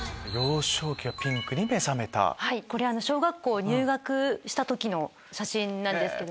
まずはこれ小学校入学した時の写真なんですけど。